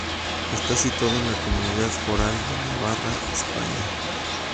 Está situado en la Comunidad Foral de Navarra, España.